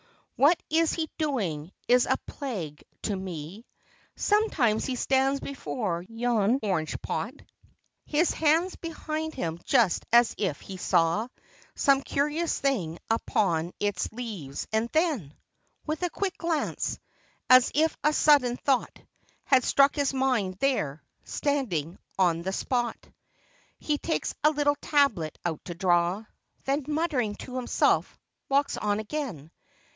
What he is doing is a plague to me ! Sometimes he stands before yon orange pot, His hands behind him just as if he saw Some curious thing upon its leaves, and then, With a quick glance, as if a sudden thought Had struck his mind, there, standing on the spot, 96 LUDOVICO SFORZA AND DA VINCI He takes a little tablet out to draw, Then, muttering to himself, walks on again.